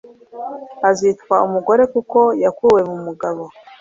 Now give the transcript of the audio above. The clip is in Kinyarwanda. azitwa umugore kuko yakuwe mu mugabo